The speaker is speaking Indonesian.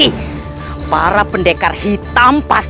tetap saja berusaha untuk menerimamu